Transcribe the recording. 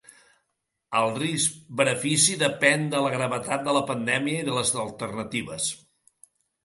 El risc-benefici depèn de la gravetat de la pandèmia i de les alternatives.